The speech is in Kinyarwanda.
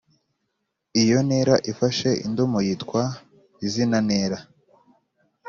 iyo ntera ifashe indomo yitwa izina ntera